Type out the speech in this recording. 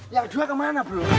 yang dua kemana bro